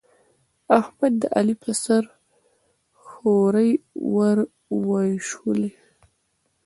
احمد، د علي پر سر خورۍ ور واېشولې.